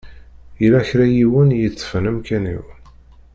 Yella kra n yiwen i yeṭṭfen amkan-iw.